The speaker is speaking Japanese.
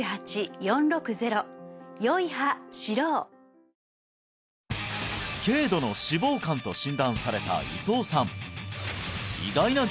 へえ軽度の脂肪肝と診断された伊藤さん